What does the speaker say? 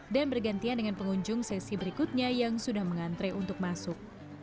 dan bergantian dengan pengunjung sesi berikutnya yang sudah mengantre untuk masuk